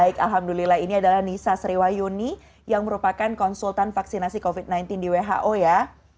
baik alhamdulillah ini adalah nisa sriwayuni yang merupakan konsultan vaksinasi covid sembilan belas di who ya